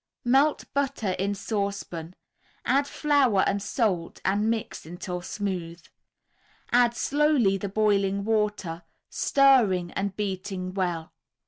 Melt butter in saucepan, add flour and salt and mix until smooth; add slowly the boiling water, stirring and beating well.